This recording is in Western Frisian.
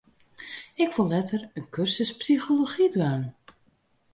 Ik wol letter in kursus psychology dwaan.